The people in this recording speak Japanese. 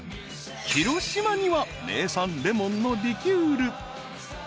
［広島には名産レモンのリキュール］